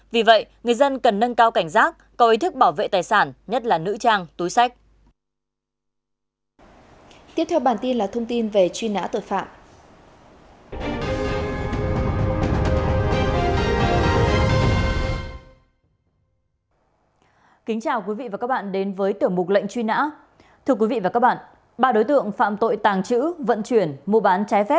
vì vậy người dân cần nâng cao cảnh giác có ý thức bảo vệ tài sản nhất là nữ trang túi sách